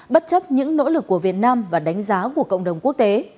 bất chấp những nỗ lực của việt nam và đánh giá của cộng đồng quốc tế